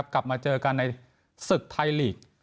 กลับมาเจอกันในศึกไทยลีก